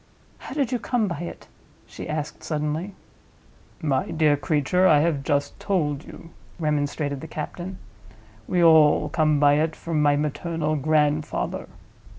"How did you come by it?" she asked, suddenly. "My dear creature, I have just told you," remonstrated the captain. "We all come by it from my maternal grandfather."